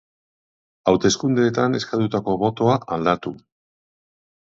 Hauteskundeetan eskatutako botoa aldatu.